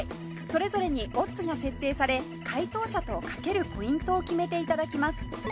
それぞれにオッズが設定され解答者と賭けるポイントを決めて頂きます